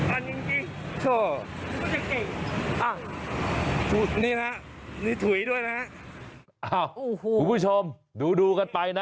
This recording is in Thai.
อันนี้จริงโถ่นี่นะนี่ถุ๋ยด้วยนะฮะอ้าวคุณผู้ชมดูดูกันไปนะ